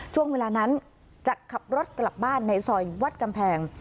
ช่วงเวลานั้นจะขับรถกลับบ้านในซอยวัดกำแพง